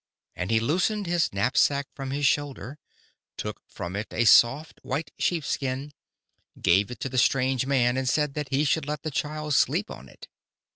And he loosened his knapsack from his shoulder, took from it a soft white sheepskin, gave it to the strange man, and said that he should let the child sleep on it.